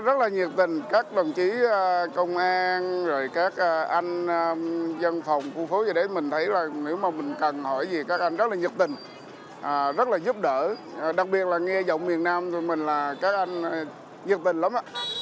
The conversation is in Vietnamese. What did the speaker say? rất là nhiệt tình các đồng chí công an các anh dân phòng khu phố mình thấy nếu mình cần hỏi gì các anh rất là nhiệt tình rất là giúp đỡ đặc biệt là nghe giọng miền nam của mình là các anh nhiệt tình lắm